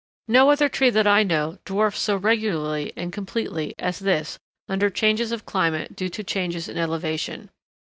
No other tree that I know dwarfs so regularly and completely as this under changes of climate due to changes in elevation.